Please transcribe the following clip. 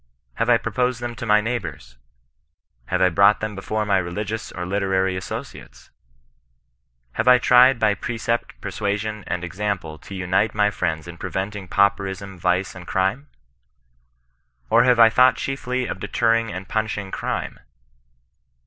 Have I proposed them to my neighbours ? Have I brought them before my religious or literary associates 1 Have I tried by precept, persuasion, and example to unite my friends in preventing pauperism, vice, and crime 1 Or have I thought chiefly of deterring and pimishing crime